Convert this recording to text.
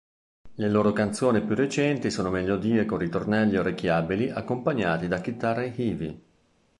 Le loro canzoni più recenti sono melodie con ritornelli orecchiabili accompagnati da chitarre heavy.